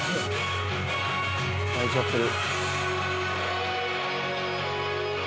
泣いちゃってる。